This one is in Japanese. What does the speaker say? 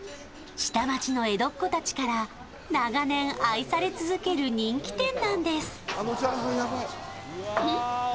下町の江戸っ子たちから長年愛され続ける人気店なんです